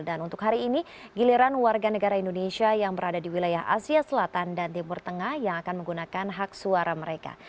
dan untuk hari ini giliran warga negara indonesia yang berada di wilayah asia selatan dan timur tengah yang akan menggunakan hak suara mereka